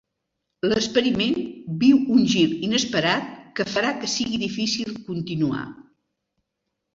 L'experiment viu un gir inesperat que farà que sigui difícil continuar.